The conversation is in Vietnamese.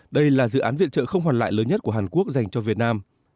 đây là dự án viện trợ không hoàn lại lớn nhất của hàn quốc dành cho việt nam